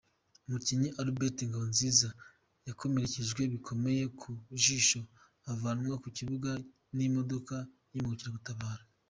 Umukinnyi Albert Ngabonziza yakomerekejwe bikomeye ku jisho avanwa ku kibuga n’imodoka y’imbangukiragutabara.